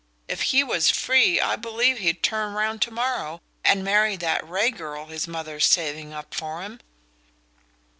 If he was free I believe he'd turn round to morrow and marry that Ray girl his mother's saving up for him."